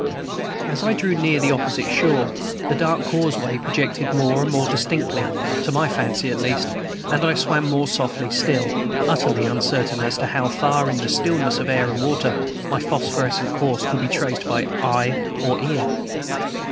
As I drew near the opposite shore, the dark causeway projected more and more distinctly, to my fancy at least, and I swam more softly still, utterly uncertain as to how far, in the stillness of air and water, my phosphorescent course could be traced by eye or ear.